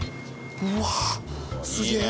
うわあすげえ！